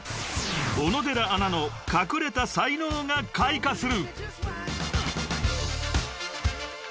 ［小野寺アナの隠れた才能が開花する］